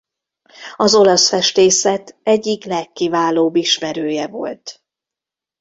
Az olasz festészet egyik legkiválóbb ismerője volt.